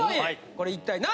これ一体何？